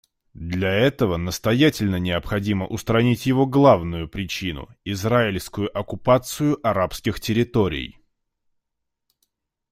Для этого настоятельно необходимо устранить его главную причину — израильскую оккупацию арабских территорий.